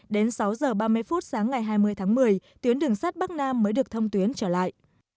đến sáu giờ ba mươi phút sáng ngày hai mươi tháng một mươi tuyến đường sắt bắc nam mới được thông tuyến trở lại